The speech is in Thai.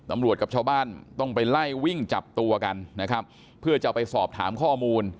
กับชาวบ้านต้องไปไล่วิ่งจับตัวกันนะครับเพื่อจะไปสอบถามข้อมูล